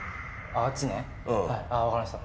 あっちね分かりました。